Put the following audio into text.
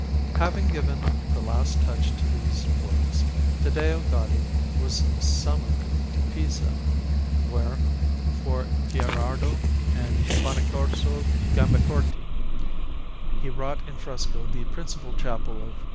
Having given the last touch to these works, Taddeo Gaddi was summoned to Pisa, where, for Gherardo and Bonaccorso Gambacorti, he wrought in fresco the principal chapel of S.